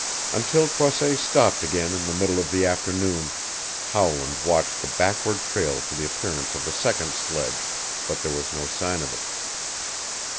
Until Croisset stopped again in the middle of the afternoon Howland watched the backward trail for the appearance of the second sledge, but there was no sign of it.